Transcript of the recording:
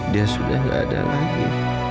dia sudah tidak ada lagi